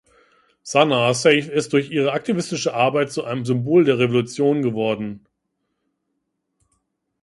Sanaa Seif ist durch ihre aktivistische Arbeit zu einem Symbol der Revolution geworden.